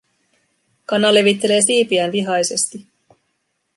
Kana levittelee siipiään vihaisesti.